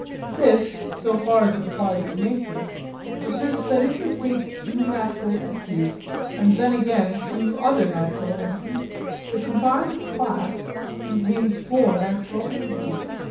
This so far as it applies to nature asserts that if you take two natural entities, and then again two other natural entities, the combined class contains four natural entities.